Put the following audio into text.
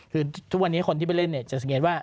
คือทุกวันนี้คนที่ไปเล่นเนี่ยจะสังเกตว่า